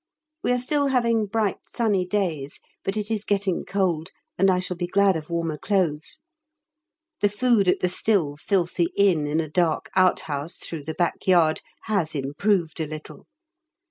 We are still having bright sunny days, but it is getting cold, and I shall be glad of warmer clothes. The food at the still filthy Inn in a dark outhouse through the back yard has improved a little!